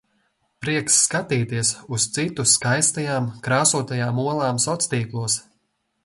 Prieks skatīties uz citu skaistajām, krāsotajām olām soctīklos.